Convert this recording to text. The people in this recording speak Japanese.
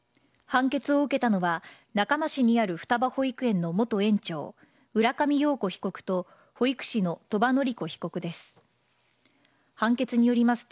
判決を受けたのは中間市にある双葉保育園の元園長、浦上陽子被告と保育士の鳥羽詞子被告です。